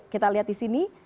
kita lihat di sini